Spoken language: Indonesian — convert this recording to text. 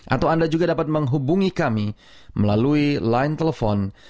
atau anda juga dapat menghubungi kami melalui line telepon